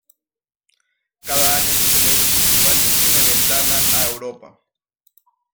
Cada año se celebra el festival de cine Ventana a Europa.